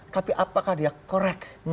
tapi apakah dia correct